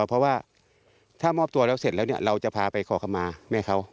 เพราะว่าถ้ามอบตัวแล้วเสร็จแล้วเราจะพาไปขอคำมาแม่เขา